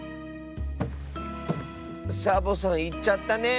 サボさんいっちゃったね。